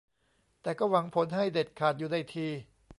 แต่ก็หวังผลให้เด็ดขาดอยู่ในที